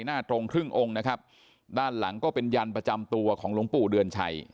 ตรงครึ่งองค์นะครับด้านหลังก็เป็นยันประจำตัวของหลวงปู่เดือนชัย